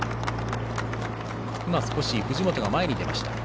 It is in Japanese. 少し、藤本が前に出ました。